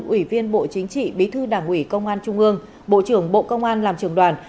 ủy viên bộ chính trị bí thư đảng ủy công an trung ương bộ trưởng bộ công an làm trường đoàn